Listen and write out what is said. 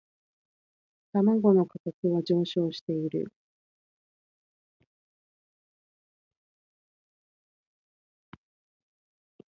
卵の価格は上昇している